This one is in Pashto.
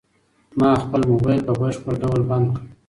ما خپل موبايل په بشپړ ډول بند کړ.